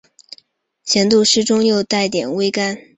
咸度适中又带点微甘